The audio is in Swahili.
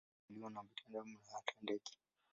Tunda hili huliwa na binadamu na hata ndege.